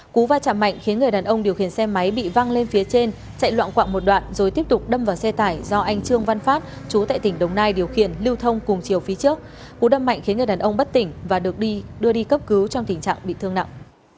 cú va chạm mạnh khiến người đàn ông điều khiển xe máy bị văng lên phía trên chạy loạn quạng một đoạn rồi tiếp tục đâm vào xe tải do anh trương văn phát chú tại tỉnh đồng nai điều khiển lưu thông cùng chiều phía trước cú đâm mạnh khiến người đàn ông bất tỉnh và được đưa đi cấp cứu trong tình trạng bị thương nặng